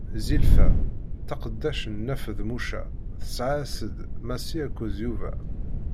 Zilfa, taqeddact n Nna Feḍmuca, tesɛa-as-d: Massi akked Yuba.